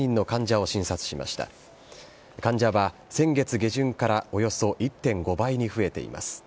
患者は先月下旬からおよそ１．５倍に増えています。